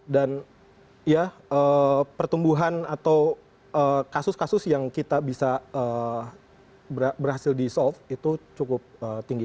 dan ya pertumbuhan atau kasus kasus yang kita bisa berhasil di solve itu cukup tinggi